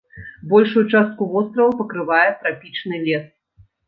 Большую частку вострава пакрывае трапічны лес.